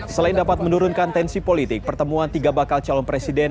selain dapat menurunkan tensi politik pertemuan tiga bakal calon presiden